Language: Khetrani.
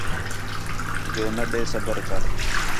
جو نہ ݙے صبر کر